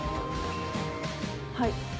はい。